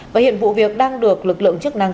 và hiện vụ việc đang được lực lượng chức năng